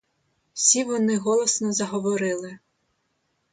Всі вони голосно заговорили.